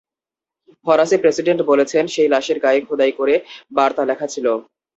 ফরাসি প্রেসিডেন্ট বলেছেন, সেই লাশের গায়ে খোদাই করে বার্তা লেখা ছিল।